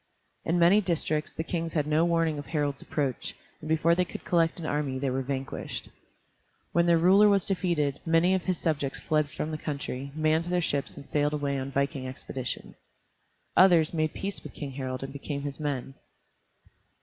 In many districts the kings had no warning of Harald's approach, and before they could collect an army they were vanquished. When their ruler was defeated, many of his subjects fled from the country, manned their ships and sailed away on viking expeditions. Others made peace with King Harald and became his men.